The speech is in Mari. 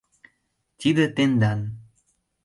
Тиде тендан...